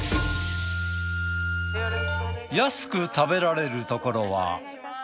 安く食べられるところは。